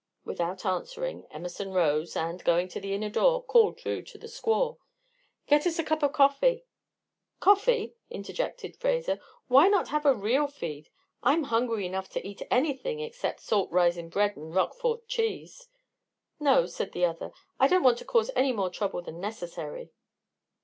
Without answering, Emerson rose, and, going to the inner door, called through to the squaw: "Get us a cup of coffee." "Coffee!" interjected Fraser; "why not have a real feed? I'm hungry enough to eat anything except salt risin' bread and Roquefort cheese." "No," said the other; "I don't want to cause any more trouble than necessary."